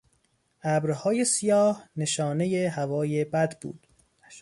ابرهای سیاه نشانهی هوای بد بود.